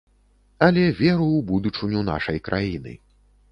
Але веру ў будучыню нашай краіны.